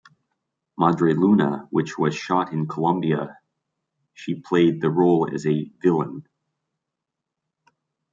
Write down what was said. "Madre Luna" which was shot in Colombia, she played the role as a villain.